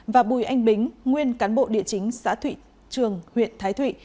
và bùi anh bính nguyên cán bộ địa chính xã thụy trường huyện thái thụy